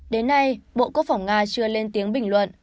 đến nay bộ quốc phòng nga chưa lên tiếng bình luận